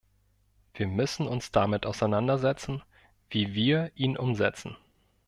Wir müssen uns damit auseinander setzen, wie wir ihn umsetzen.